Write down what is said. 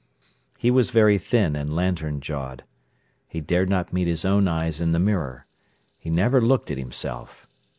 He was very thin and lantern jawed. He dared not meet his own eyes in the mirror; he never looked at himself.